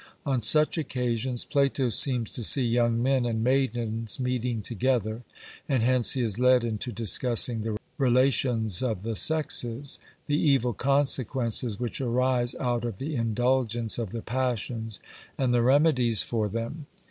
On such occasions Plato seems to see young men and maidens meeting together, and hence he is led into discussing the relations of the sexes, the evil consequences which arise out of the indulgence of the passions, and the remedies for them.